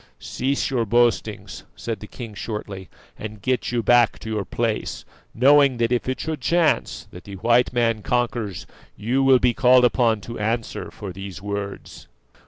"Cease your boastings," said the king shortly, "and get you back to your place, knowing that if it should chance that the white man conquers you will be called upon to answer for these words."